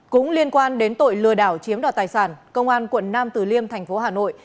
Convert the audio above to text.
cũng liên quan đến tội lừa đảo chiếm đoạt tài sản công an quận nam từ liêm thành phố hà nội